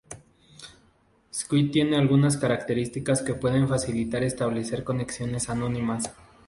Squid tiene algunas características que pueden facilitar establecer conexiones anónimas.